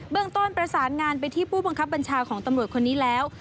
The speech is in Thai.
เรื่องต้นประสานงานไปที่ผู้บังคับบัญชาของตำรวจคนนี้แล้ว